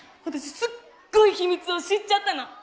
私すっごい秘密を知っちゃったの。